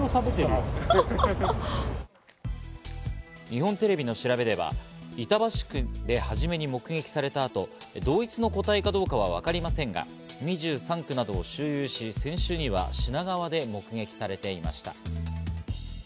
日本テレビの調べでは、板橋区で初めに目撃された後、同一の個体かどうかはわかりませんが、２３区などを周遊し、先週には品川で目撃されていました。